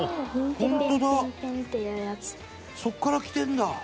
そこからきてるんだ！